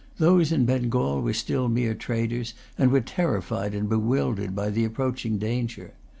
Those in Bengal were still mere traders, and were terrified and bewildered by the approaching danger.